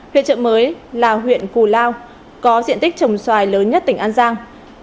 huyện trợ mới là huyện cù lao có diện tích trồng xoài lớn nhất tỉnh an giang